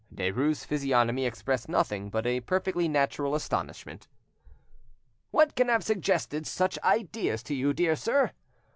Derues' physiognomy expressed nothing but a perfectly natural astonishment. "What can have suggested such ideas to you; dear sir?"